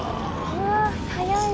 うわっ速い。